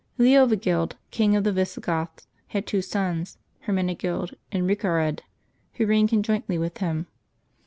HEOviGiLD, King of the Visigoths, had two sons, Her menegild and Recared, who reigned conjointly with him.